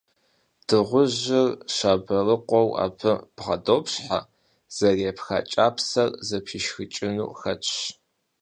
Дыгъужьыр щабэрыкӀуэу абы бгъэдопщхьэ, зэрепха кӀапсэр зэпишхыкӀыну хэтщ.